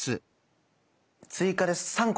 追加で３個。